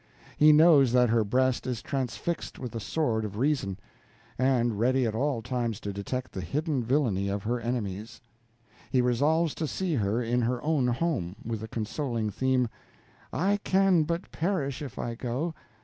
He knows that her breast is transfixed with the sword of reason, and ready at all times to detect the hidden villainy of her enemies. He resolves to see her in her own home, with the consoling theme: "'I can but perish if I go.'